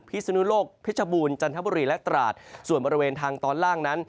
พิศนุโลกเพชรบูรณจันทบุรีและตราดส่วนบริเวณทางตอนล่างนั้น